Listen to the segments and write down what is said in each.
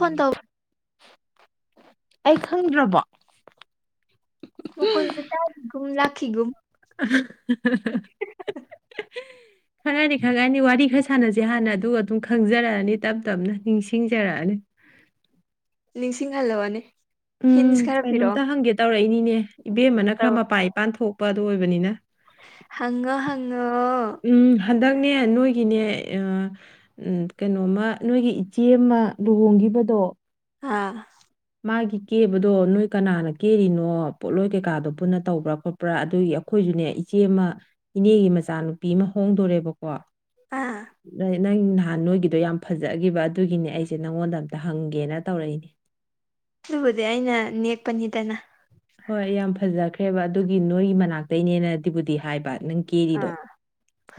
phone ꯇꯧ ꯑꯩ ꯈꯪꯗ꯭ꯔꯕꯣ ꯃꯈꯣꯟꯁꯦ ꯇꯥꯒꯤꯒꯨꯝ ꯂꯥꯈꯤꯒꯨꯝ ꯈꯔꯅꯤ ꯈꯔꯅꯤ ꯋꯥꯔꯤ ꯈꯁ ꯁꯥꯟꯅꯁꯦ ꯍꯥꯟꯅ ꯑꯗꯨꯒ ꯑꯗꯨꯝ ꯈꯪꯖꯔꯛꯑꯅꯤ ꯇꯞ ꯇꯞꯅ ꯅꯤꯡꯁꯤꯡꯖꯔꯛꯑꯅꯤ ꯅꯤꯡꯁꯤꯡꯍꯜꯂꯛ ꯑꯣꯅꯦ ꯎꯝ ꯀꯩꯅꯣꯝꯇ ꯍꯪꯒꯦ ꯇꯧꯔꯛꯏꯅꯤꯅꯦ ꯏꯕꯦꯝꯃꯅ ꯈꯔ ꯃꯄꯥꯥꯟ ꯏꯄꯥꯟ ꯊꯣꯛꯄ ꯗꯣ ꯑꯣꯏꯕꯅꯤꯅ ꯍꯡꯉꯣ ꯍꯡꯉꯣ ꯎꯝ ꯍꯟꯗꯛꯅꯦ ꯅꯣꯏꯒꯤꯅꯦ ꯑꯥ ꯎꯝ ꯀꯩꯅꯣꯝꯃ ꯅꯣꯏꯒꯤ ꯏꯆꯦ ꯑꯃ ꯂꯨꯍꯣꯡꯒꯤ ꯕꯗꯣ ꯑꯥ ꯃꯥꯒꯤ ꯀꯦꯕꯗꯣ ꯅꯣꯏ ꯀꯅꯥꯅ ꯀꯦꯔꯤꯅꯣ ꯄꯣꯠꯂꯣꯏ ꯀꯩꯀꯥꯗꯣ ꯄꯨꯟꯅ ꯇꯧꯕ꯭ꯔꯥ ꯈꯣꯠꯄ꯭ꯔꯥ ꯑꯗꯨꯒꯤ ꯑꯩꯈꯣꯏ ꯅꯦ ꯏꯆꯦ ꯑꯃ ꯏꯅꯦꯒꯤ ꯃꯆꯥꯅꯨꯄꯤ ꯑꯃ ꯍꯣꯡꯗꯣꯔꯦꯕꯀꯣ ꯑꯥ ꯅ- ꯅꯪ ꯅꯍꯥꯟ ꯅꯣꯏꯒꯤꯗꯣ ꯌꯥꯝ ꯐꯖꯈꯤꯕ ꯑꯗꯨꯒꯤꯅꯦ ꯑꯩꯁꯦ ꯅꯪꯉꯣꯟꯗ ꯑꯝꯇ ꯍꯪꯒꯦꯅ ꯇꯧꯔꯛꯏꯅꯦ ꯑꯗꯨꯕꯨꯗꯤ ꯑꯩꯅ ꯅꯦꯛꯄꯅꯤꯗꯅ ꯍꯣꯏ ꯌꯥꯝ ꯐꯖꯈ꯭ꯔꯦꯕ ꯑꯗꯨꯒꯤ ꯅꯣꯏꯒꯤ ꯃꯅꯥꯛꯇꯩ ꯅꯦꯅꯗꯤꯕꯨꯗꯤ ꯍꯥꯏꯕ ꯅꯪ ꯀꯦꯔꯤꯗꯣ ꯑꯥ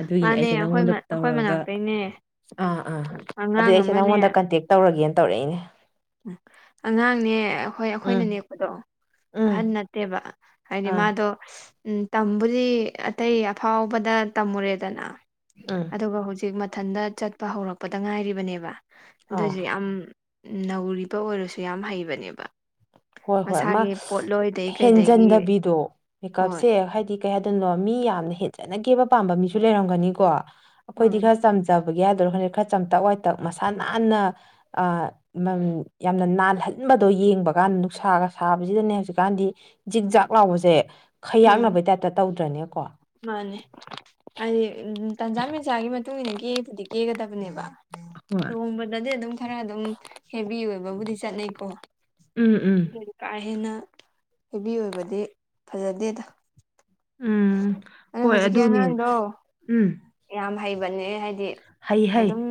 ꯑꯗꯨꯒꯤꯅꯤ ꯃꯥꯅꯦ ꯑꯩꯁꯦ ꯑꯩꯈꯣꯏ ꯅꯪꯉꯣꯟꯗ ꯑꯩꯈꯣꯏ ꯇꯧꯔꯒ ꯃꯅꯥꯛꯇꯩꯅꯦ ꯑꯥ ꯑꯥ ꯑꯗꯨꯢ ꯑꯉꯥꯡ ꯑꯩꯁꯦ ꯅꯪꯉꯣꯟꯗ ꯀꯟꯇꯦꯛ ꯇꯧꯔꯒꯦꯅ ꯇꯧꯔꯛꯏꯅꯤ ꯎ ꯑꯉꯥꯡꯅꯦ ꯍꯣꯏ ꯑꯩꯈꯣꯏꯅ ꯎꯝ ꯅꯦꯛꯄꯗꯣ ꯎꯝ ꯑꯍꯟ ꯅꯠꯇꯦꯕ ꯍꯥꯏꯗꯤ ꯑꯥ ꯃꯥꯗꯣ ꯎꯝ ꯇꯝꯕꯨꯗꯤ ꯑꯇꯩ ꯑꯐꯥꯎꯕꯗ ꯇꯝꯃꯨꯔꯦꯗꯅ ꯎꯝ ꯑꯗꯨꯒ ꯍꯨꯖꯤꯛ ꯃꯊꯟꯇ ꯆꯠꯄ ꯍꯧꯔꯛꯄꯗ ꯉꯥꯏꯔꯤꯕꯅꯦꯕ ꯑꯥ ꯑꯗꯨꯑꯣꯏꯁꯨ ꯌꯥꯝ ꯅꯧꯔꯤꯕ ꯑꯣꯏꯔꯁꯨ ꯌꯥꯝ ꯍꯩꯕꯅꯦꯕ ꯍꯣꯏ ꯍꯣꯏ ꯃꯥ ꯃꯁꯥꯒꯤ ꯄꯣꯠꯂꯣꯏꯗꯒꯤ ꯀꯩꯗꯒꯤ ꯍꯦꯟꯖꯟꯗꯕꯤꯗꯣ ꯍꯣꯏ ꯃꯦꯀꯞꯁꯦ ꯍꯥꯏꯗꯤ ꯀꯩ ꯍꯥꯏꯗꯣꯏꯅꯣ ꯃꯤ ꯌꯥꯝꯅ ꯍꯦꯟꯖꯟꯅ ꯀꯦꯕ ꯄꯥꯝꯕ ꯃꯤꯁꯨ ꯂꯩꯔꯝꯒꯅꯤꯀꯣ ꯑꯩꯈꯣꯏꯗꯤ ꯎꯝ ꯈꯔ ꯆꯝꯖꯕ ꯕꯒꯤ ꯍꯥꯏꯗꯣꯏꯔ ꯈꯪꯗꯦ ꯈꯔ ꯆꯝꯇꯛ ꯋꯥꯏꯇꯛ ꯃꯁꯥ ꯅꯥꯟꯅ ꯑꯥ ꯌꯥꯝꯅ ꯅꯥꯟꯍꯟ ꯅꯤꯡ ꯕ ꯕꯗꯣ ꯌꯦꯡꯕ ꯀꯥꯟ ꯅꯨꯡꯁꯥꯒ ꯁꯥꯕꯁꯤꯗꯅꯦ ꯍꯧꯖꯤꯛꯀꯥꯟꯗꯤ ꯖꯤꯛꯖꯥꯛ ꯂꯥꯎꯕꯁꯦ ꯎꯝ ꯈꯩꯌꯥꯛꯅꯕꯩ ꯇꯥꯏꯞꯇ ꯇꯧꯗ ꯇꯔ꯭ꯅꯦꯀꯣ ꯃꯥꯅꯦ ꯍꯥꯏꯗꯤ ꯇꯟꯖꯥ ꯃꯦꯅꯖꯥ ꯒꯤ ꯃꯇꯨꯡ ꯏꯟꯅ ꯀꯦꯕꯨꯗꯤ ꯀꯦꯒꯗꯕꯅꯦꯕ ꯍꯣꯏ ꯇꯣꯡꯕꯗꯗꯤ ꯑꯗꯨꯝ ꯈꯔ ꯑꯗꯨꯝ ꯍꯦꯕꯤ ꯑꯣꯏꯕꯕꯨꯗꯤ ꯆꯠꯅꯩꯀꯣ ꯎꯝ ꯎꯝ ꯀꯥ ꯍꯦꯟꯅ ꯍꯦꯕꯤ ꯑꯣꯏꯕꯗꯤ ꯐꯖꯗꯦꯗ ꯎꯝ ꯑꯩ ꯍꯣꯏ ꯍꯨꯖꯤꯛꯀꯤ ꯑꯗꯨꯅꯦ ꯑꯉꯥꯡꯗꯣ ꯎꯝ ꯌꯥꯝ ꯍꯩꯕꯅꯦ ꯍꯥꯏꯗꯤ ꯍꯩ ꯍꯩ ꯑꯗꯨꯝ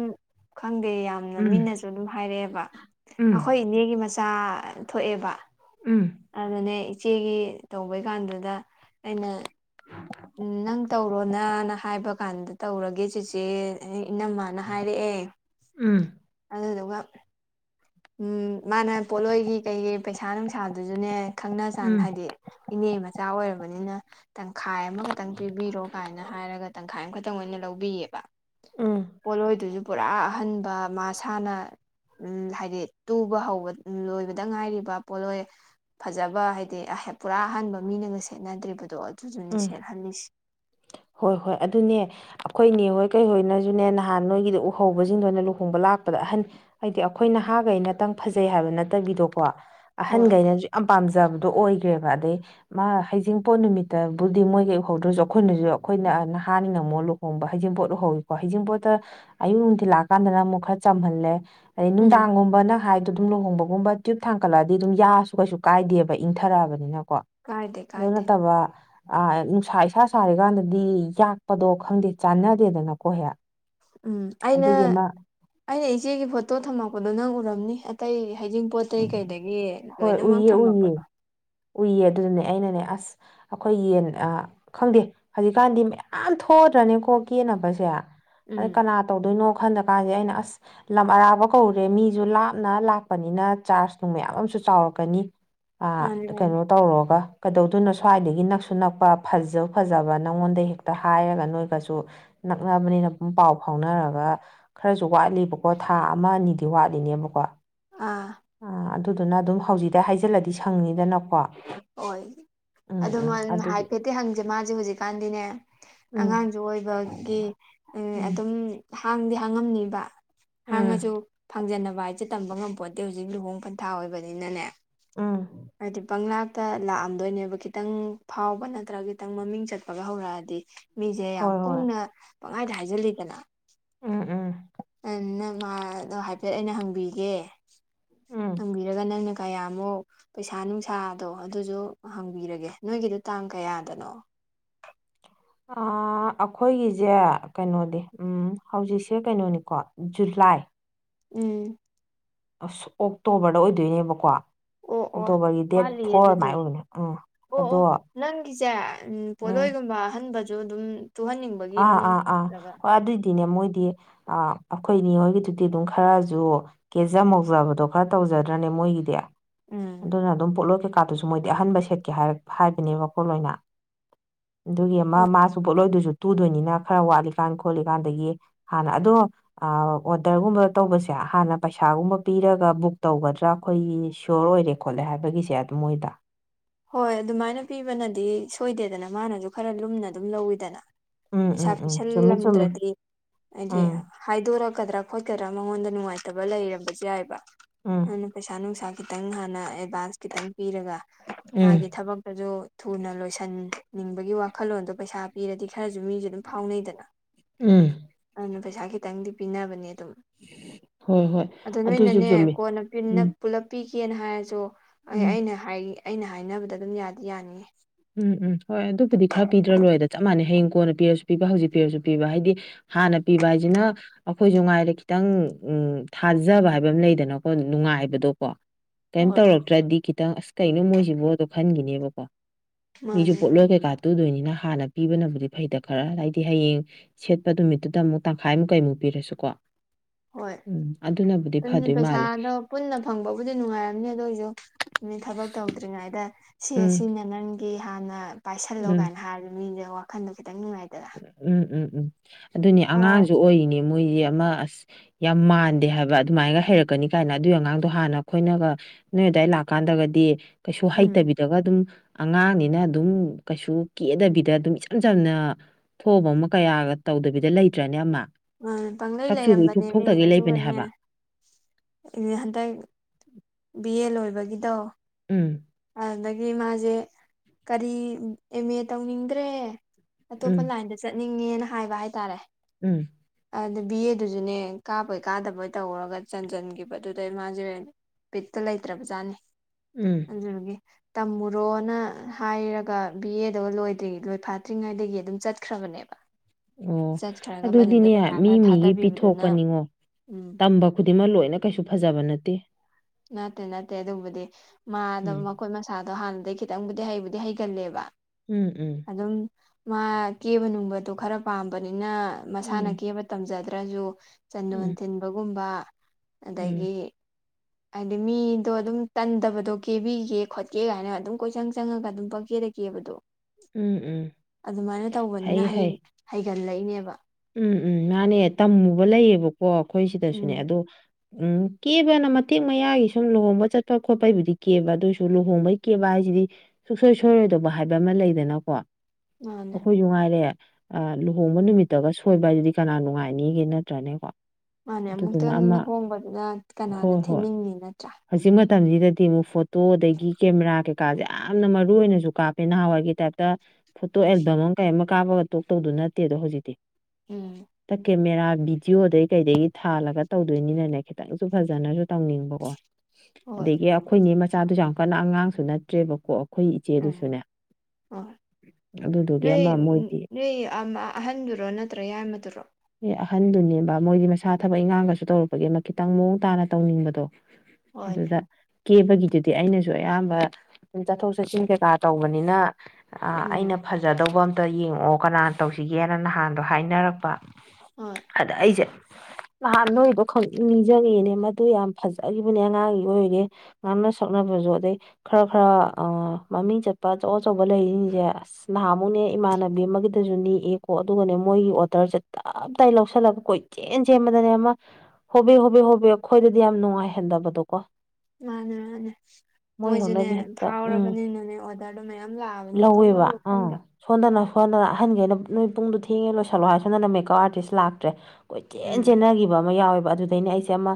ꯈꯪꯗꯦ ꯌꯥꯝꯅ ꯎꯝ ꯃꯤꯅꯁꯨ ꯑꯗꯨꯝ ꯍꯥꯏꯔꯛꯑꯦꯕ ꯑꯩꯈꯣꯏ ꯎꯝ ꯏꯅꯦꯒꯤ ꯃꯆꯥ ꯊꯣꯛꯑꯦꯕ ꯎꯝ ꯑꯗꯨꯅꯦ ꯏꯆꯦꯒꯤ ꯇꯧꯕꯩ ꯀꯥꯟꯗꯨꯗ ꯑꯩꯅ ꯅꯪ ꯇꯧꯔꯣ ꯅꯅ ꯍꯥꯏꯕ ꯀꯥꯟꯗ ꯇꯧꯔꯒꯦ ꯆꯦꯆꯦ ꯏꯅꯝꯃꯅ ꯍꯥꯏꯔꯛꯑꯦ ꯎꯝ ꯑꯗꯨꯗꯨꯒ ꯎꯝ ꯃꯥꯅ ꯄꯣꯠꯂꯣꯏꯒꯤ ꯀꯩꯒꯤ ꯄꯩꯁꯥ ꯅꯨꯡꯁꯥꯗꯨꯁꯨꯅꯦ ꯈꯪꯅ ꯆꯥꯟꯅ ꯎꯝ ꯍꯥꯏꯗꯤ ꯏꯅꯦ ꯃꯆꯥ ꯑꯣꯏꯔꯕꯅꯤꯅ ꯇꯪꯈꯥꯏ ꯑꯃꯈꯛꯇꯪ ꯄꯤꯕꯤꯔꯣ ꯀꯥꯏꯅ ꯍꯥꯏꯔꯒ ꯇꯪꯈꯥꯏ ꯑꯃꯈꯛꯇꯪ ꯑꯣꯏꯅ ꯂꯧꯕꯤꯌꯦꯕ ꯎꯝ ꯄꯣꯠꯂꯣꯏꯗꯨꯁꯨ ꯄꯨꯔꯥ ꯑꯍꯟꯕ ꯃꯁꯥꯅ ꯎꯝ ꯍꯥꯏꯗꯤ ꯇꯨꯕ ꯍꯧꯕ ꯂꯣꯏꯕꯗ ꯉꯥꯏꯔꯤꯕ ꯄꯣꯠꯂꯣꯏ ꯐꯖꯕ ꯍꯥꯏꯗꯤ ꯄꯨꯔꯥ ꯑꯍꯟꯕ ꯃꯤꯅꯒ ꯁꯦꯠꯅꯗ꯭ꯔꯤꯕꯗꯣ ꯑꯗꯨꯅꯤ ꯎꯝ ꯁꯦꯠꯍꯟꯜꯂꯤꯁꯤ ꯍꯣꯏ ꯍꯣꯏ ꯑꯗꯨꯅꯦ ꯑꯩꯈꯣꯏꯅꯦ ꯍꯣꯏ ꯀꯩꯍꯣꯏꯅꯁꯨꯅꯦ ꯅꯍꯥꯟ ꯅꯣꯏꯒꯤꯗ ꯎ ꯍꯧꯕꯁꯤꯡꯗꯨꯅ ꯂꯨꯍꯣꯡꯕ ꯂꯥꯛ ꯂꯥꯛꯄꯗ ꯑꯍꯟ ꯍꯥꯏꯗꯤ ꯑꯩꯈꯣꯏ ꯅꯍꯥꯈꯩꯅꯇꯪ ꯐꯖꯩ ꯍꯥꯏꯕ ꯅꯠꯇꯕꯤꯗꯣꯀꯣ ꯍꯣꯏ ꯑꯍꯟꯈꯩꯅꯁꯨ ꯌꯥꯝ ꯄꯥꯝꯖꯕꯗꯣ ꯑꯣꯏꯈ꯭ꯔꯦꯕ ꯑꯗꯩ ꯃꯥ ꯍꯩꯖꯤꯡꯄꯣꯠ ꯅꯨꯃꯤꯠꯇꯕꯨꯗꯤ ꯃꯣꯏꯒꯩ ꯎꯍꯧꯗ꯭ꯔꯁꯨ ꯑꯩꯈꯣꯏꯅꯁꯨ ꯑꯩꯈꯣꯏꯅ ꯅꯍꯥꯅꯤꯅ ꯑꯃꯨꯛ ꯂꯨꯍꯣꯡꯕ ꯍꯩꯖꯤꯡꯄꯣꯠ ꯎꯍꯧꯋꯤꯀꯣ ꯍꯩꯖꯤꯡꯄꯣꯠꯇ ꯑꯌꯨꯛ ꯅꯨꯡꯊꯤꯜ ꯂꯥꯛꯑꯀꯥꯟꯗꯅ ꯑꯃꯨꯛ ꯈꯔ ꯆꯝꯍꯜꯂꯦ ꯑꯗꯩ ꯎꯝ ꯅꯨꯡꯗꯥꯡꯒꯨꯝꯕꯅ ꯍꯥꯏ ꯑꯗꯨꯝ ꯂꯨꯍꯣꯡꯕꯒꯨꯝꯕ ꯇ꯭ꯌꯨꯕ ꯊꯥꯡꯀꯠꯂꯛꯑꯗꯤ ꯑꯗꯨꯝ ꯌꯥꯛꯁꯨ ꯀꯩꯁꯨ ꯀꯥꯏꯗꯦꯕ ꯏꯪꯊꯔꯛꯑꯕꯅꯤꯅ ꯀꯣ ꯀꯥꯏꯗꯦ ꯑꯗꯨ ꯀꯥꯏꯗꯦ ꯅꯠꯇꯕ ꯅꯨꯡꯁꯥ ꯏꯁꯥ ꯁꯥꯔꯤꯀꯥꯟꯗ ꯗꯤ ꯌꯥꯛꯄꯗꯣ ꯈꯪꯗꯦ ꯆꯥꯟꯅꯗꯦꯗꯅꯀꯣ ꯍꯦꯛ ꯎꯝ ꯑꯩꯅ ꯑꯗꯨꯒꯤ ꯑꯃ ꯑꯩꯅ ꯏꯆꯦꯒꯤ ꯐꯣꯇꯣ ꯊꯝꯃꯛꯄꯗꯣ ꯅꯪ ꯎꯔꯝꯅꯤ ꯑꯇꯩ ꯍꯩꯖꯤꯡꯄꯣꯠ ꯇꯩ ꯀꯩꯗꯒꯤ ꯍꯣꯏ ꯂꯣꯏꯅꯃꯛ ꯎꯏꯌꯦ ꯎꯏꯌꯦ ꯊꯝꯃꯛꯄꯗꯣ ꯎꯏꯌꯦ ꯑꯗꯨꯗꯨꯅꯦ ꯑꯩꯅꯅꯦ ꯑꯁ ꯑꯩꯈꯣꯏ ꯌꯦꯟ ꯈꯪꯗꯦ ꯍꯧꯖꯤꯛꯀꯥꯟꯗꯤ ꯃꯌꯥꯝ ꯊꯣꯛ ꯑꯥꯗ꯭ꯔꯅꯦꯀꯣ ꯀꯦꯅꯕꯁꯦ ꯎꯝ ꯑꯗꯩ ꯀꯅꯥ ꯇꯧꯗꯣꯏꯅꯣ ꯋꯥꯈꯜꯗ ꯀꯥꯟꯁꯦ ꯑꯩꯅ ꯑꯁ ꯂꯝ ꯑꯔꯥꯞꯄ ꯀꯧꯔꯦ ꯃꯤꯁꯨ ꯂꯥꯞꯅ ꯂꯥꯛꯄꯅꯤꯅ ꯆꯥꯔꯖ ꯅꯨꯡ ꯃꯌꯥꯝ ꯑꯃꯁꯨ ꯆꯥꯎꯔꯛꯀꯅꯤ ꯑ ꯃꯥꯅꯦ ꯃꯥꯅꯦ ꯀꯩꯅꯣ ꯇꯧꯔꯒ ꯀꯩꯗꯧꯗꯣꯏꯅꯣ ꯁ꯭ꯋꯥꯏꯗꯒꯤ ꯅꯛꯁꯨ ꯅꯛꯄ ꯐꯖ ꯐꯖꯕ ꯅꯪꯉꯣꯟꯗ ꯍꯦꯛꯇ ꯍꯥꯏꯔꯒ ꯅꯣꯏꯒꯁꯨ ꯅꯛꯅꯕꯅꯤꯅ ꯑꯗꯨꯝ ꯄꯥꯎ ꯐꯥꯎꯅꯔꯒ ꯈꯔꯁꯨ ꯋꯥꯠꯂꯤꯕꯀꯣ ꯊꯥ ꯑꯃ ꯑꯅꯤꯗꯤ ꯋꯥꯠꯂꯤꯅꯦꯕꯀꯣ ꯑꯥ ꯑꯥ ꯑꯗꯨꯗꯨꯅ ꯑꯗꯨꯝ ꯍꯧꯖꯤꯛꯇꯒꯤ ꯍꯥꯏꯖꯤꯜꯂꯗꯤ ꯁꯪꯅꯤꯗꯅꯀꯣ ꯍꯣꯏ ꯎꯝ ꯑꯗꯨ ꯎꯝ ꯑꯗꯨꯒꯤ ꯍꯥꯏꯐꯦꯠꯇꯤ ꯍꯪꯁꯦ ꯃꯥꯁꯦ ꯍꯧꯖꯤꯛꯀꯥꯟꯗꯤꯅꯦ ꯎꯝ ꯑꯉꯥꯡꯁꯨ ꯑꯣꯏꯕꯒꯤ ꯎꯝ ꯑꯗꯨꯝ ꯍꯥꯡꯗꯤ ꯍꯥꯡꯉꯝꯅꯤꯕ ꯍꯥꯡꯉꯁꯨ ꯎꯝ ꯐꯥꯡꯖꯟꯅꯕ ꯕ ꯍꯥꯏꯁꯦ ꯇꯝꯕ ꯉꯝꯄꯣꯠꯇꯦ ꯍꯧꯖꯤꯛ ꯂꯨꯍꯣꯡ ꯄꯟꯊꯥ ꯑꯣꯏꯕꯅꯤꯅꯅꯦ ꯎꯝ ꯍꯥꯏꯗꯤ ꯄꯡꯂꯥꯛ ꯇ ꯂꯥꯛꯑꯝꯗꯣꯏꯅꯦꯕ ꯈꯤꯇꯪ ꯐꯥꯎꯕ ꯅꯠꯇ꯭ꯔꯒ ꯈꯤꯇꯪ ꯃꯃꯤꯡ ꯆꯠꯄꯒ ꯍꯧꯔꯛꯑꯗꯤ ꯃꯤꯁꯦ ꯌꯥꯝ ꯍꯣꯏ ꯍꯣꯏ ꯀꯨꯡꯅ ꯄꯪꯍꯥꯏꯗ ꯍꯥꯏꯖꯤꯜꯂꯤꯗꯅ ꯎꯝ ꯎꯝ ꯑꯗꯨꯅ ꯃꯥꯗꯣ ꯍꯥꯏꯐꯦꯠ ꯑꯩꯅ ꯍꯪꯕꯤꯒꯦ ꯎꯝ ꯍꯪꯕꯤꯔꯒ ꯅꯪꯅ ꯀꯌꯥꯃꯨꯛ ꯄꯩꯁꯥ ꯅꯨꯡꯁꯥꯗꯣ ꯑꯗꯨꯁꯨ ꯍꯪꯕꯤꯔꯒꯦ ꯅꯣꯏꯒꯤꯗꯣ ꯇꯥꯡ ꯀꯌꯥꯗꯅꯣ ꯑꯥ ꯑꯩꯈꯣꯏꯒꯤꯁꯦ ꯀꯩꯅꯣꯅꯦ ꯎꯝ ꯍꯧꯖꯤꯛꯁꯦ ꯀꯩꯅꯣꯅꯤꯀꯣ ꯖꯨꯂꯥꯏ ꯎꯝ ꯑꯁ ꯑꯣꯛꯇꯣꯕꯔꯗ ꯑꯣꯏꯗꯣꯏꯅꯦꯕꯀꯣ ꯑꯣ ꯑꯣ ꯑꯣꯛꯇꯣꯕꯔꯒꯤ ꯗꯦꯠ ꯋꯥꯠꯂꯤꯌꯦ ꯐꯣꯔ ꯑꯗꯨꯃꯥꯏ ꯑꯗꯨꯗꯤ ꯑꯣꯏꯕꯅꯦ ꯎꯝ ꯑꯣ ꯑꯣ ꯑꯗꯣ ꯅꯪꯒꯤꯁꯦ ꯎꯝ ꯄꯣꯠꯂꯣꯏꯒꯨꯝꯕ ꯑꯍꯟꯕꯁꯨ ꯑꯗꯨꯝ ꯇꯨꯍꯟꯅꯤꯡꯕꯒꯤꯔꯣ ꯑꯥ ꯅꯪ ꯑꯥ ꯅꯠꯇ꯭ꯔꯒ ꯑꯥ ꯑꯗꯨꯏꯗꯤꯅꯦ ꯃꯣꯏ ꯑꯩꯈꯣꯏ ꯏꯅꯦ ꯍꯣꯏꯒꯤꯗꯨꯗꯤ ꯑꯗꯨꯝ ꯈꯔꯁꯨ ꯀꯦꯖ ꯃꯧꯖꯕꯗꯣ ꯈꯔ ꯇꯧꯖꯗ꯭ꯔꯅꯦꯕ ꯃꯣꯏꯒꯤꯗꯤ ꯎꯝ ꯑꯗꯨꯅ ꯑꯗꯨꯝ ꯄꯣꯠꯂꯣꯏ ꯀꯩꯀꯥ ꯀꯩꯀꯥꯗꯨꯁꯨ ꯃꯣꯏꯗꯤ ꯑꯍꯟꯕ ꯁꯦꯠꯀꯦ ꯍꯥꯏꯔꯛ ꯍꯥꯏꯕꯅꯦꯕꯀꯣ ꯂꯣꯏꯅ ꯑꯗꯨꯒꯤ ꯑꯃ ꯃꯥꯁꯨ ꯄꯣꯠꯂꯣꯏꯗꯣꯏꯁꯨ ꯇꯨꯗꯣꯏꯅꯤꯅ ꯈꯔ ꯋꯥꯠꯂꯤꯀꯥꯟ ꯈꯣꯠꯂꯤꯀꯥꯟꯗꯒꯤ ꯍꯥꯟꯅ ꯑꯗꯣ ꯑꯣꯔꯗꯔꯒꯨꯝꯕ ꯇꯧꯕꯁꯦ ꯍꯥꯟꯅ ꯄꯩꯁꯥꯒꯨꯝꯕ ꯄꯤꯔꯒ ꯕꯨꯛ ꯇꯧꯒꯗ꯭ꯔ ꯑꯩꯈꯣꯏꯒꯤ ꯁꯌꯣꯔ ꯑꯣꯏꯔꯦ ꯈꯣꯠꯂꯦ ꯍꯥꯏꯕꯒꯤꯁꯦ ꯑꯗꯨ ꯃꯣꯏꯗ ꯍꯣꯏ ꯑꯗꯨꯃꯥꯏꯅ ꯄꯤꯕꯅꯗꯤ ꯁꯣꯏꯗꯦꯗꯅ ꯃꯥꯅꯁꯨ ꯈꯔ ꯂꯨꯝꯅ ꯑꯗꯨꯝ ꯂꯧꯋꯤꯗꯅ ꯎꯝ ꯄꯩꯁꯥ ꯎꯝ ꯎꯝ ꯆꯨꯝꯃꯤ ꯆꯨꯝꯃꯤ ꯄꯁꯤꯜꯂꯝꯗ꯭ꯔꯗꯤ ꯍꯥꯏꯗꯤ ꯎꯝ ꯍꯥꯏꯗꯣꯔꯛꯀꯗ꯭ꯔꯥ ꯈꯣꯠꯀꯗ꯭ꯔꯥ ꯃꯉꯣꯟꯗ ꯅꯨꯡꯉꯥꯏ ꯐꯠꯇꯕ ꯂꯩꯔꯝꯕꯁꯨ ꯌꯥꯏꯕ ꯎꯝ ꯑꯗꯨꯅ ꯄꯩꯁꯥ ꯅꯨꯡꯁꯥ ꯈꯤꯇꯪ ꯍꯥꯟꯅ ꯑꯦꯗꯚꯥꯟꯁ ꯈꯤꯇꯪ ꯄꯤꯔꯒ ꯎꯝ ꯃꯥꯒꯤ ꯊꯕꯛꯇꯁꯨ ꯊꯨꯅ ꯂꯣꯏꯁꯟꯅꯤꯡꯕꯒꯤ ꯋꯥꯈꯜꯂꯣꯟꯗꯣ ꯄꯩꯁꯥ ꯄꯤꯔꯗꯤ ꯈꯔꯁꯨ ꯃꯤꯁꯨꯦ ꯑꯗꯨꯝ ꯐꯥꯎꯅꯩꯗꯅ ꯎꯝ ꯑꯗꯨꯅ ꯄꯩꯁꯥ ꯈꯤꯇꯪꯗꯤ ꯄꯤꯅꯕꯅꯦ ꯍꯣꯏ ꯍꯣꯏ ꯑꯣ ꯑꯗꯨꯁꯨ ꯅꯣꯏꯅꯅꯦ ꯆꯨꯝꯃꯤ ꯎꯝ ꯀꯣꯟꯅ ꯄꯤ ꯀꯦꯅ ꯍꯥꯏꯔꯁꯨ ꯑꯩ ꯎꯝ ꯑꯩꯅ ꯑꯩꯅ ꯍꯥꯏꯅꯕꯗ ꯑꯗꯨꯝ ꯌꯥꯗꯤ ꯌꯥꯅꯤꯌꯦ ꯎꯝ ꯎꯝ ꯍꯣꯏ ꯑꯗꯨꯕꯨꯗꯤ ꯈꯔ ꯄꯤꯗ꯭ꯔ ꯂꯣꯏꯔꯦꯗ ꯆꯞ ꯃꯥꯟꯅꯩ ꯍꯌꯦꯡ ꯀꯣꯟꯅ ꯄꯤꯔꯁꯨ ꯄꯤꯕ ꯍꯧꯖꯤꯛ ꯄꯤꯔꯁꯨ ꯄꯤꯕ ꯍꯥꯏꯗꯤ ꯍꯥꯟꯅ ꯄꯤꯕ ꯍꯥꯏꯁꯤꯅ ꯑꯩꯈꯣꯏꯁꯨ ꯉꯥꯏꯔꯦ ꯈꯤꯇꯪ ꯎꯝ ꯊꯥꯖꯕ ꯍꯥꯏꯕ ꯑꯃ ꯂꯩꯗꯅꯀꯣ ꯅꯨꯡꯉꯥꯏ ꯉꯥꯏꯕꯗꯣꯀꯣ ꯀꯩꯝ ꯍꯣꯏ ꯇꯧꯔꯛꯇ꯭ꯔꯗꯤ ꯈꯤꯇꯪ ꯑꯁ ꯀꯩꯅꯣ ꯃꯣꯏꯁꯤꯕꯣꯗꯣ ꯈꯟꯈꯤꯅꯦꯕꯀꯣ ꯃꯤꯁꯨ ꯃꯥꯅꯤ ꯄꯣꯠꯂꯣꯏ ꯃꯥꯅꯤ ꯀꯩ ꯀꯥ ꯇꯨꯗꯣꯏꯅꯤꯅ ꯍꯥꯟꯅ ꯄꯤꯕꯅꯕꯨꯗꯤ ꯐꯩꯗ ꯈꯔ ꯍꯥꯏꯗꯤ ꯍꯌꯦꯡ ꯁꯦꯠꯄ ꯅꯨꯃꯤꯠꯇꯨꯗ ꯑꯃꯨꯛ ꯇꯪꯈꯥꯏꯃꯨꯛ ꯀꯩꯃꯨꯛ ꯄꯤꯔꯁꯨ ꯀꯣ ꯎꯝ ꯑꯗꯨꯝꯅꯦ ꯐꯗꯣꯏ ꯃꯥꯜꯂꯦ ꯄꯩꯁꯥꯗꯣ ꯄꯨꯟꯅ ꯐꯪꯕꯕꯨꯗꯤ ꯅꯨꯡꯉꯥꯏꯔꯝꯅꯤ ꯑꯗꯨ ꯑꯣꯏꯁꯨ ꯊꯕꯛ ꯇꯧꯗ꯭ꯔꯤꯉꯩꯗ ꯁꯤ ꯎꯝ ꯑꯁꯤꯅ ꯅꯪꯒꯤ ꯍꯥꯟꯅ ꯄꯥꯏꯁꯜꯂꯣ ꯎꯝ ꯀꯥꯏꯅ ꯍꯥꯏꯔꯗꯤ ꯃꯤꯁꯦ ꯋꯥꯈꯟꯗꯣ ꯇ ꯎꯝ ꯎꯝ ꯎꯝ ꯑꯗꯨꯅꯦ ꯑꯣ ꯑꯉꯥꯡꯁꯨ ꯑꯣꯏꯔꯤꯅꯦ ꯃꯣꯏꯁꯦ ꯑꯃ ꯑꯁ ꯌꯥꯝ ꯃꯥꯟꯗꯦ ꯍꯥꯏꯕ ꯑꯗꯨꯃꯥꯏꯅꯒ ꯍꯩꯔꯛꯀꯅꯤ ꯀꯥꯏꯅ ꯑꯗꯨꯒꯤ ꯑꯉꯥꯡꯗꯣ ꯍꯥꯟꯅ ꯑꯩꯈꯣꯏꯅꯒ ꯅꯣꯏ ꯑꯗꯨꯗꯥꯏ ꯂꯥꯛꯀꯥꯟꯗꯒꯗꯤ ꯀꯩꯁꯨ ꯎꯝ ꯍꯩꯇꯕꯤꯗꯒ ꯑꯗꯨꯝ ꯑꯉꯥꯡꯅꯤꯅ ꯑꯗꯨꯝ ꯀꯩꯁꯨ ꯀꯦꯗꯕꯤꯗ ꯑꯗꯨꯝ ꯏꯆꯝ ꯆꯝꯅ ꯊꯣꯕ ꯑꯃ ꯀꯌꯥꯒ ꯇꯧꯗꯕꯤꯗ ꯂꯩꯇ꯭ꯔꯅꯦ ꯑꯃ ꯎ ꯄꯥꯡꯒꯩ ꯁꯛ ꯆꯨꯕ ꯏꯊꯣꯛ ꯂꯩꯔꯝꯕꯅꯦꯃꯤ ꯊꯣꯛꯇꯒꯩ ꯂꯩꯕꯅꯦ ꯑꯗꯨꯒꯅꯦ ꯍꯥꯏꯕ ꯍꯟꯗꯛ ꯕꯤ ꯑꯦ ꯂꯣꯏꯕꯒꯤꯗꯣ ꯎꯝ ꯑꯗꯨꯗꯒꯤ ꯃꯥꯁꯦ ꯀꯔꯤ ꯑꯦꯝ ꯑꯦ ꯇꯧꯅꯤꯡꯗ꯭ꯔꯦ ꯑꯇꯣꯞꯄ ꯎꯝ ꯂꯥꯏꯟꯗ ꯆꯠꯅꯤꯡꯉꯦꯅ ꯍꯥꯏꯕ ꯍꯥꯏꯇꯥꯔꯦ ꯎꯝ ꯑꯗꯨꯗ ꯕꯤ ꯑꯦꯗꯨꯁꯨꯅꯦ ꯀꯥꯕꯣꯏ ꯀꯥꯗꯕꯣꯏ ꯇꯧꯔꯒ ꯆꯟꯁꯤꯟꯈꯤꯕꯗꯨꯗꯩ ꯃꯥꯟꯖꯔꯅꯦ ꯄꯤꯠꯇ ꯂꯩꯇ꯭ꯔꯕꯖꯥꯠꯅꯤ ꯎꯝ ꯑꯗꯨꯒꯤ ꯇꯝꯃꯨꯔꯣꯅ ꯍꯥꯏꯔꯒ ꯕꯤ ꯑꯦꯗ ꯂꯣꯏꯗ꯭ꯔꯤ ꯂꯣꯏꯐꯥꯠꯇ꯭ꯔꯤꯉꯩꯗꯒꯤ ꯑꯗꯨꯝ ꯆꯠꯈ꯭ꯔꯕꯅꯦꯕ ꯑꯣ ꯆꯠꯈ꯭ꯔꯒ ꯑꯗꯨꯗ ꯑꯗꯨꯗꯤꯅꯦ ꯄꯩꯁꯥ ꯃꯤ ꯈꯔ ꯃꯤꯒꯤ ꯊꯥꯗꯕꯤꯕꯗꯨꯅ ꯄꯤꯊꯣꯛꯄꯅꯤꯉꯣ ꯎꯝ ꯇꯝꯕ ꯈꯨꯗꯤꯡꯃꯛ ꯂꯣꯏꯅ ꯀꯩꯁꯨ ꯐꯖꯕ ꯅꯠꯇꯦ ꯅꯠꯇꯦ ꯅꯠꯇꯦ ꯑꯗꯨꯕꯨꯗꯤ ꯃꯥꯗ ꯎꯝ ꯃꯈꯣꯏ ꯃꯁꯥ ꯑꯗꯣ ꯍꯥꯟꯅꯗꯤꯗꯒꯤ ꯈꯤꯇꯪꯕꯨꯗꯤ ꯍꯩꯕꯨꯗꯤ ꯍꯩꯒꯜꯂꯦꯕ ꯎꯝ ꯎꯝ ꯑꯗꯨꯝ ꯃꯥ ꯀꯦꯕ ꯅꯨꯡꯕꯗꯣ ꯈꯔ ꯄꯥꯝꯕꯅꯤꯅ ꯃꯁꯥꯅ ꯎꯝ ꯀꯦꯕ ꯇꯝꯖꯗ꯭ꯔꯁꯨ ꯆꯟꯗꯣꯟ ꯎꯝ ꯊꯤꯟꯕꯒꯨꯝꯕ ꯎꯝ ꯑꯗꯒꯤ ꯍꯥꯏꯗꯤ ꯃꯤꯗꯣ ꯑꯗꯨꯝ ꯇꯟꯗꯕꯗꯣ ꯀꯦꯕꯤꯒꯦ ꯈꯣꯠꯀꯦ ꯀꯥꯏꯅ ꯑꯗꯨꯝ ꯀꯣꯏꯁꯪ ꯆꯪꯉꯒ ꯑꯗꯨꯝ ꯄꯛꯀꯦꯗꯒꯦꯕꯗꯣ ꯎꯝ ꯎꯝ ꯑꯗꯨꯃꯥꯏꯅ ꯇꯧꯕꯅꯤꯅ ꯍꯩ ꯍꯩ ꯍꯩꯒꯠꯂꯛꯏꯅꯦꯕ ꯎꯝ ꯎꯝ ꯃꯥꯅꯦ ꯇꯝꯃꯨꯕ ꯂꯩꯌꯦꯕꯀꯣ ꯑꯩꯈꯣꯏ ꯁꯤꯗꯁꯨꯅꯦ ꯎꯝ ꯑꯗꯣ ꯎꯝ ꯀꯦꯕꯅ ꯃꯇꯦꯛ ꯃꯌꯥꯒꯤ ꯁꯨꯝ ꯂꯨꯍꯣꯡꯕ ꯆꯠꯄ ꯈꯣꯠꯄꯒꯤꯕꯨꯗꯤ ꯀꯦꯕ ꯑꯗꯨꯏꯁꯨ ꯂꯨꯍꯣꯡꯕꯒꯤ ꯀꯦꯕ ꯍꯥꯏꯁꯦ ꯁꯤꯗꯤ ꯁꯨꯡꯁꯣꯏ ꯁꯣꯏꯔꯣꯏꯗꯧꯕ ꯍꯥꯏꯕ ꯑꯃ ꯂꯩꯗꯅꯀꯣ ꯃꯥꯅꯦ ꯑꯩꯈꯣꯏꯁꯨ ꯉꯥꯏꯔꯦ ꯂꯨꯍꯣꯡꯕ ꯅꯨꯃꯤꯠ ꯇꯒ ꯁꯣꯏꯕ ꯍꯥꯏꯗꯨꯗꯤ ꯀꯅꯥ ꯅꯨꯡꯉꯥꯏꯅꯤꯒꯦ ꯅꯠꯇ꯭ꯔꯅꯦꯀꯣ ꯃꯥꯅꯦ ꯑꯗꯨꯗꯨꯅ ꯑꯃꯨꯛꯇꯪ ꯑꯃ ꯍꯣꯡꯕꯗꯨꯅ ꯀꯅꯥꯅ ꯍꯣꯏ ꯍꯣꯏ ꯊꯤꯟꯅꯤꯡꯉꯤ ꯅꯠꯇ꯭ꯔꯥ ꯍꯧꯖꯤꯛ ꯃꯇꯝꯁꯤꯗꯗꯤ ꯑꯃꯨꯛ ꯐꯣꯇꯣ ꯑꯗꯒꯤ ꯀꯦꯃꯦꯔꯥ ꯀꯩꯀꯥꯁꯦ ꯌꯥꯝꯅ ꯃꯔꯨꯅꯁꯨ ꯀꯥꯞꯄꯦ ꯅꯍꯥꯟꯋꯥꯏꯒꯤ ꯇꯥꯏꯞꯇ ꯐꯣꯇꯣ ꯑꯦꯜꯕꯝ ꯑꯃ ꯀꯩ ꯑꯃ ꯀꯥꯞꯄꯒ ꯇꯣꯛ ꯇꯧꯗꯨ ꯅꯠꯇꯦ ꯑꯗꯣ ꯍꯧꯖꯤꯛꯇꯤ ꯎꯝ ꯔ ꯚꯗꯤꯑꯣꯗꯩ ꯀꯩꯗꯩ ꯊꯥꯜꯂꯒ ꯇꯧꯗꯣꯏꯅꯤꯅꯅꯦ ꯈꯤꯇꯪꯁꯨ ꯐꯖꯅꯁꯨ ꯇꯧꯅꯤꯡꯕꯀꯣ ꯍꯣꯏ ꯑꯗꯒꯤ ꯑꯩꯈꯣꯏꯅꯦ ꯃꯆꯥꯗꯨꯁꯨ ꯌꯥꯝ ꯀꯟꯅ ꯑꯉꯥꯡꯁꯨ ꯅꯠꯇ꯭ꯔꯦꯕꯀꯣ ꯑꯩꯈꯣꯏ ꯏꯆꯦꯗꯨꯁꯨꯅꯦ ꯍ ꯑꯗꯨꯗꯨꯒꯤ ꯅꯣꯏ ꯑꯃ ꯃꯣꯏꯗꯤ ꯅꯣꯏ ꯑꯍꯟꯗꯨꯔꯣ ꯅꯠꯇ꯭ꯔꯥ ꯌꯥꯏꯃꯗꯨꯔꯣ ꯈꯟꯗꯨꯣꯏꯅꯦꯕ ꯃꯣꯏꯗꯤ ꯃꯁꯥ ꯊꯕꯛ ꯏꯪꯉꯥꯡꯒꯁꯨ ꯇꯧꯔꯛꯄꯒꯤ ꯑꯃ ꯈꯤꯇꯪ ꯃꯑꯣꯡ ꯇꯥꯅ ꯇꯧꯅꯤꯡꯕꯗꯣ ꯍꯣꯏꯅꯦ ꯑꯗꯨꯗ ꯀꯦꯕꯒꯤꯗꯨꯗꯤ ꯑꯩꯅꯁꯨ ꯑꯌꯥꯝꯕ ꯑꯗꯨꯨꯝ ꯆꯠꯊꯣꯛ ꯆꯠꯁꯤꯟ ꯀꯩꯀꯥ ꯇꯧꯕꯅꯤꯅ ꯎꯝ ꯑꯩꯅ ꯐꯖꯗꯧꯕ ꯑꯝꯇ ꯌꯦꯡꯉꯛꯑꯣ ꯀꯅꯥ ꯇꯧꯁꯤꯒꯦꯅ ꯅꯍꯥꯟꯗꯣ ꯍꯥꯏꯅꯔꯛꯄ ꯍꯣꯏ ꯑꯗ ꯑꯩꯁꯦ ꯅꯍꯥꯟ ꯅꯣꯏꯗ ꯈꯪ ꯅꯤꯡꯁꯤꯡꯉꯤꯅꯦ ꯃꯗꯨ ꯌꯥꯝ ꯐꯖ ꯑꯗꯨꯕꯨꯅꯦ ꯑꯉꯥꯡꯒꯤ ꯑꯣꯏꯔꯦ ꯉꯥꯡꯅ ꯁꯛꯅꯕꯁꯨ ꯑꯗꯩ ꯈꯔ ꯈꯔ ꯃꯃꯤꯡ ꯆꯠꯄ ꯑꯆꯧ ꯑ ꯑꯆꯧꯕ ꯂꯩꯔꯤꯅꯤꯁꯦ ꯑꯁ ꯅꯍꯥꯃꯨꯛꯅꯦ ꯏꯃꯥꯟꯅꯕꯤ ꯑꯃꯒꯤꯗꯁꯨ ꯅꯦꯛꯑꯀꯣ ꯑꯗꯨꯒꯅꯦ ꯃꯣꯏꯒꯤ ꯑꯣꯗꯔ ꯆꯠꯇ ꯑꯞꯇꯥꯏ ꯂꯧꯁꯜꯂꯕ ꯀꯣ ꯏꯆꯦꯟ ꯆꯦꯟꯕꯗꯅꯦ ꯑꯃ ꯍꯣꯕꯤ ꯍꯣꯕꯤ ꯍꯣꯕꯤ ꯑꯩꯈꯣꯏꯗꯗꯤ ꯌꯥꯝ ꯅꯨꯡꯉꯥꯏ ꯐꯦꯟꯗꯕꯗꯨꯣꯀꯣ ꯃꯥꯅꯦ ꯃꯥꯅꯦ ꯃꯣꯏꯁꯨꯅꯦ ꯍꯧꯅꯕꯤ ꯍꯦꯛꯇ ꯎꯝ ꯐꯥꯎꯔꯕꯅꯤꯅꯅꯦ ꯑꯣꯔꯗꯔꯗꯣ ꯃꯌꯥꯝ ꯂꯥꯛꯑꯕꯅꯤꯅ ꯄꯪ ꯂꯧꯔꯣ ꯈꯟꯕ ꯍꯣ ꯑꯍꯟꯈꯦꯅ ꯅꯨꯃꯤꯠ ꯄꯨꯡꯗꯣ ꯊꯦꯡꯉꯦ ꯂꯣꯏꯁꯤꯜꯂꯣ ꯍꯥꯏꯔꯁꯨ ꯅꯪꯅ ꯃꯦꯀꯞ ꯑꯥꯔꯇꯤꯁ ꯂꯥꯛꯇ꯭ꯔꯦ ꯀꯣꯏꯆꯦꯟ ꯎꯝ ꯆꯦꯟꯅꯈꯤꯕ ꯑꯃ ꯌꯥꯎꯋꯦꯕ ꯑꯗꯨꯗꯩꯅꯦ ꯑꯩꯁꯦ ꯑꯃ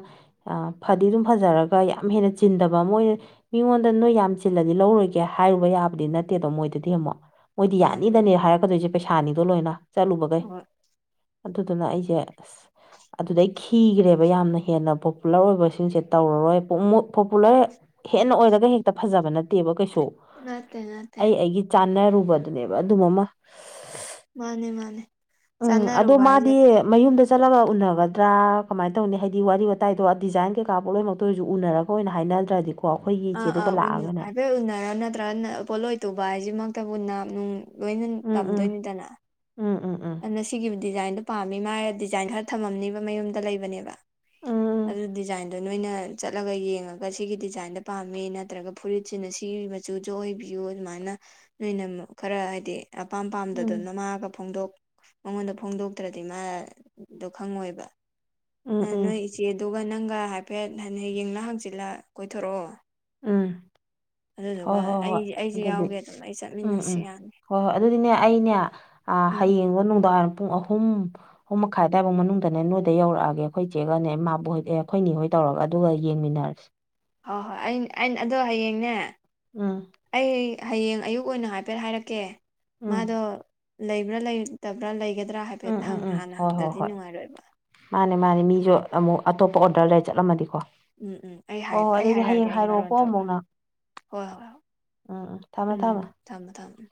ꯐꯗꯤ ꯑꯗꯨꯝ ꯐꯖꯔꯒ ꯌꯥꯝ ꯍꯦꯟꯅ ꯆꯤꯟꯗꯕ ꯑꯃ ꯑꯣꯏꯅ ꯃꯤꯉꯣꯟꯗ ꯅꯣꯏ ꯌꯥꯝ ꯆꯤꯜꯂꯗꯤ ꯂꯧꯔꯣꯏꯒꯦ ꯍꯥꯏꯔꯨꯕ ꯌꯥ ꯊꯥꯕꯗꯤ ꯅꯠꯇꯦꯗꯣ ꯃꯣꯏꯗꯗꯤ ꯑꯃꯨꯛ ꯃꯣꯏꯗꯤ ꯃꯥꯅꯦ ꯃꯥꯅꯦ ꯌꯥꯅꯤꯗꯅꯦ ꯍꯥꯏꯔꯛꯀꯗꯣꯏꯁꯦ ꯄꯩꯁꯥꯅꯤꯗꯣ ꯂꯣꯏꯅ ꯆꯠꯂꯨꯕꯈꯩ ꯍꯣꯏ ꯑꯗꯨꯗꯨꯅ ꯑꯩꯁꯦ ꯑꯁ ꯑꯗꯨꯗꯩ ꯈꯤꯈ꯭ꯔꯦꯕ ꯌꯥꯝꯅ ꯍꯦꯟꯅ ꯄꯣꯄꯨꯂꯔ ꯑꯣꯏꯕꯁꯦ ꯇꯧꯔꯔꯣꯏꯂ ꯍꯦ ꯑꯣꯏꯔ ꯍꯦ ꯐꯖꯕ ꯅꯠꯇꯦꯕ ꯉꯅꯥꯇꯦ ꯉꯅꯥꯇꯦ ꯅꯥꯔꯨꯕꯗꯨꯅꯦꯕ ꯑꯗꯨꯝꯕ ꯑꯃ ꯃꯥꯅꯦ ꯃꯥꯅꯦ ꯎꯝ ꯑꯗꯣ ꯆꯥꯟꯅꯔꯨꯕ ꯍꯥꯏꯁꯦ ꯃꯥꯗꯤ ꯃꯌꯨꯝꯗ ꯆꯠꯂꯒ ꯎꯅꯒꯗ꯭ꯔꯥ ꯀꯃꯥꯏꯅ ꯇꯧꯅꯤ ꯍꯥꯏꯗꯤ ꯋꯥꯔꯤ ꯋꯥꯇꯥꯏꯗꯣ ꯗꯤꯖꯥꯏꯟ ꯀꯩꯀꯥ ꯄꯣ ꯂꯣꯏꯅꯃꯛꯇ ꯑꯣꯏꯔꯁꯨ ꯎꯅꯔꯒ ꯑꯣꯏꯅ ꯍꯥꯏꯅꯤ ꯅꯥꯗꯤ ꯑꯥ ꯑꯥ ꯍꯥꯏꯐꯦꯠ ꯎꯟꯅꯔꯥ ꯅꯠꯇ꯭ꯔꯒꯅ ꯄꯣꯠꯂꯣꯏ ꯇꯨꯕ ꯍꯥꯏꯁꯤꯃꯛꯇꯕꯨꯟꯅ ꯅꯨꯡ ꯂꯣꯏꯅ ꯎꯝ ꯎꯝ ꯇꯝꯗꯣꯏꯅꯤꯗꯅ ꯎꯝ ꯎꯝ ꯎꯝ ꯑꯗꯨꯅ ꯁꯤꯒꯤ ꯗꯤꯖꯥꯏꯟꯗꯣ ꯄꯥꯝꯃꯤ ꯃꯥ ꯗꯤꯖꯥꯏꯟ ꯈꯔ ꯊꯝꯃꯝꯅꯤꯕ ꯃꯌꯨꯝꯗ ꯂꯩꯕꯅꯦꯕ ꯎꯝ ꯑꯗꯨ ꯗꯤꯖꯥꯏꯟꯗꯣ ꯅꯣꯏꯅ ꯆꯠꯂꯒ ꯌꯦꯡꯉꯒ ꯁꯤꯒꯤ ꯗꯤꯖꯥꯏꯟꯗ ꯄꯥꯝꯃꯤ ꯅꯠꯇ꯭ꯔꯒ ꯐꯨꯔꯤꯠꯁꯤꯅ ꯁꯤ ꯃꯆꯨꯗ ꯑꯣꯏꯕꯤꯌꯨ ꯑꯗꯨꯃꯥꯏꯅ ꯅꯣꯏꯅ ꯈꯔ ꯍꯥꯏꯗꯤ ꯑꯄꯥꯝ ꯎꯝ ꯄꯥꯝꯗꯗꯅ ꯃꯥꯒ ꯐꯣꯡꯗꯣꯛ ꯃꯉꯣꯟꯗ ꯐꯣꯡꯗꯣꯛꯇ꯭ꯔꯗꯤ ꯃꯥꯗꯣ ꯈꯪꯉꯣꯏꯕ ꯎꯝ ꯅꯣꯏ ꯎꯝ ꯏꯆꯦꯗꯨꯒ ꯅꯪꯒ ꯍꯥꯏꯐꯦꯠ ꯍ ꯌꯦꯡꯅ ꯍꯪꯆꯤꯜꯂ ꯀꯣꯏꯊꯣꯔꯛꯑꯣ ꯎꯝ ꯑꯗꯨꯗꯨꯒ ꯍꯣꯏ ꯍꯣꯏ ꯑꯩ ꯍꯣꯏ ꯑꯩꯁꯨ ꯑꯗꯨꯗꯤ ꯌꯥꯎꯒꯦ ꯑꯗꯨꯝ ꯑꯩ ꯎꯝ ꯆꯠꯃꯤꯟꯅꯁꯤ ꯎꯝ ꯌꯥꯅꯤ ꯍꯣꯏ ꯍꯣꯏ ꯑꯗꯨꯗꯤꯅꯦ ꯑꯩꯅꯦ ꯎꯝ ꯍꯌꯦꯡꯒꯣ ꯅꯨꯡꯗꯥꯡꯏꯔꯝ ꯄꯨꯡ ꯑꯍꯨꯝ ꯑꯍꯨꯝ ꯃꯈꯥꯏ ꯑ꯭ꯋꯥꯏꯐꯥꯎ ꯃꯅꯨꯡꯗꯅꯦ ꯅꯣꯏꯗ ꯌꯧꯔꯛꯑꯒꯦ ꯑꯩꯈꯣꯏ ꯆꯦꯒꯅꯦ ꯃꯥꯕꯨ ꯑꯦꯈꯣꯏꯅꯤ ꯍꯣꯏ ꯇꯧ ꯇꯧꯔꯒ ꯑꯗꯨꯒ ꯌꯦꯡꯃꯤꯟꯅꯔꯁꯤ ꯍꯣꯏ ꯍꯣꯏ ꯑ ꯑꯩꯅ ꯑꯗꯣ ꯍꯌꯦꯡꯅꯦ ꯎꯝ ꯑꯩ ꯍꯌꯦꯡ ꯑꯌꯨꯛ ꯑꯣꯏꯅ ꯍꯥꯏꯐꯦꯠ ꯍꯥꯏꯔꯛꯀꯦ ꯎꯝ ꯃꯥꯗꯣ ꯂꯩꯕ꯭ꯔꯥ ꯂꯩꯇꯕ꯭ꯔꯥ ꯂꯩꯒꯗ ꯌꯥꯒꯠꯇ꯭ꯔꯥ ꯍꯥꯏꯐꯦꯠ ꯎꯝ ꯎꯝ ꯍꯥꯟꯅ ꯍꯪꯗ꯭ꯔꯗꯤ ꯅꯨꯡꯉꯥꯏꯔꯣꯏꯕ ꯃꯥꯅꯤ ꯃꯤꯁꯨ ꯑꯃꯨꯛ ꯑꯇꯣꯞꯄ ꯑꯣꯔꯗꯔ ꯂꯩꯔ ꯆꯠꯂꯝꯃꯗꯤꯀꯣ ꯎꯝ ꯎꯝ ꯑꯩ ꯍꯣꯏ ꯍꯣꯏ ꯑꯩ ꯑꯗꯨꯗꯤ ꯍꯥꯏꯔꯛꯑꯒꯦ ꯍꯌꯦꯡ ꯑꯩ ꯍꯥꯏꯔꯛꯑꯣꯀꯣ ꯃꯔꯣꯟ ꯇꯧꯔꯦ ꯑꯃꯨꯛ ꯅꯪ ꯍꯣꯏ ꯍꯣꯏ ꯎꯝ ꯊꯝꯃꯦ ꯎꯝ ꯊꯝꯃꯦ ꯎꯝ ꯊꯝꯃꯃꯦ ꯊꯝꯃꯃꯦ